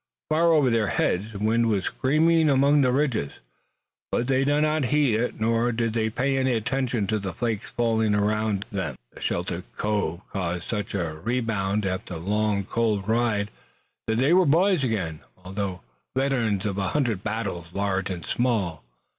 Far over their heads the wind was screaming among the ridges, but they did not heed it nor did they pay any attention to the flakes falling around them. The sheltered cove caused such a rebound after the long cold ride that they were boys again, although veterans of a hundred battles large and small.